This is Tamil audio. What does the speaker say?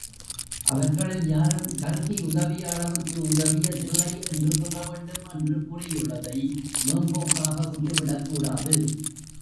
அவர்களில் யாரும் கல்கி உதவிய அளவுக்கு உதவியதில்லை என்று சொல்லவேண்டும் என்று கூறியுள்ளதை மேம்போக்காக விட்டு விடக்கூடாது.